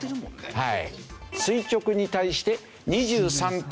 はい。